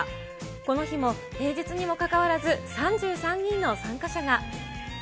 この日も平日にもかかわらず、３３人の参加者が。